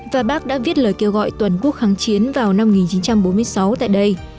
và bác đã viết lời kêu gọi toàn quốc kháng chiến vào năm một nghìn chín trăm bốn mươi sáu tại đây